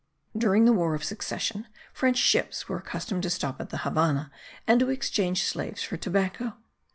During the war of succession, French ships were accustomed to stop at the Havannah and to exchange slaves for tobacco.